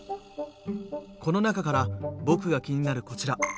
この中から僕が気になるこちら。